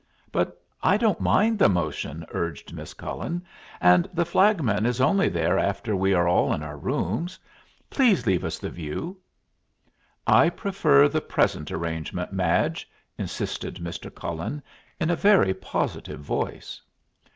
"But I don't mind the motion," urged Miss Cullen, "and the flagman is only there after we are all in our rooms. Please leave us the view." "I prefer the present arrangement, Madge," insisted Mr. Cullen, in a very positive voice.